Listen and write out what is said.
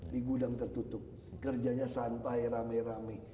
di gudang tertutup kerjanya santai rame rame